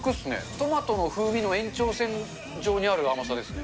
トマトの風味の延長線上にある甘さですね。